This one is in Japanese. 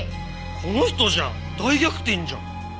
この人じゃん！大逆転じゃん！